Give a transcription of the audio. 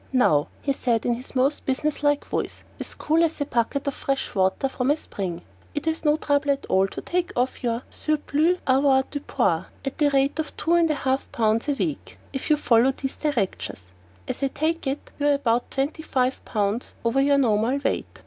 "Now," he said in his most businesslike voice, as cool as a bucket of water fresh from the spring, "it is no trouble at all to take off your surplus avoirdupois at the rate of two and a half pounds a week if you follow these directions. As I take it, you are about twenty five pounds over your normal weight.